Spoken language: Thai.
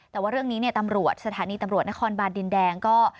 แต่ว่าเรื่องนี้เนี่ยตำรวจสถานีตำรวจนครบานดินแดงก็